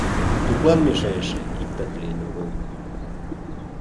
Тудлан мешайыше иктат лийын огыл.